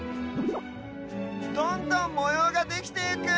どんどんもようができてゆく！